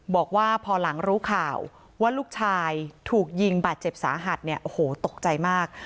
บอกว่าพอหลังรู้ข่าวว่าลูกชายถูกยิงบาดเจ็บสาหัสเนี่ยโอ้โหตกใจมาก